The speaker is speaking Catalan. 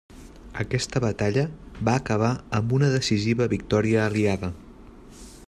Aquesta batalla va acabar amb una decisiva victòria aliada.